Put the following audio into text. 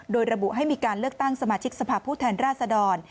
โดยระบุให้มีการเลือกตั้งสมาชิกสภาพผู้แทนราชดร